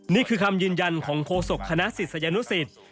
นี่คือคำยืนยันของโคศกคณะศรีสยนุศิษย์